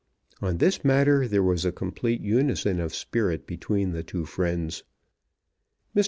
On this matter there was a complete unison of spirit between the two friends. Mr.